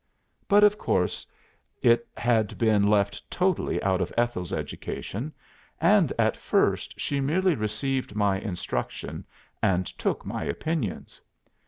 But of course it had been left totally out of Ethel's education; and at first she merely received my instruction and took my opinions.